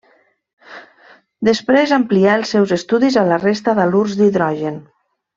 Després amplià els seus estudis a la resta d'halurs d'hidrogen.